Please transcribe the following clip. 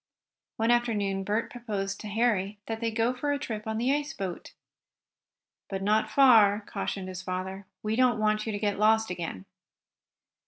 One afternoon Bert proposed to Harry that they go for a trip on the ice boat. "But not too far," cautioned his father. "We don't want you to get lost again."